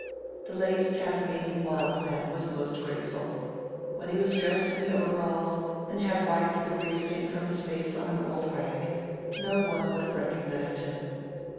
The late Tasmanian Wild Man was most grateful. When he was dressed in the overalls and had wiped the grease paint from his face on an old rag, no one would have recognized him.